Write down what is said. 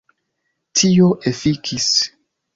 Tio efikis.